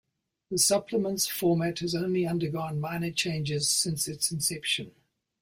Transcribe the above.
The supplement’s format has only undergone minor changes since its inception.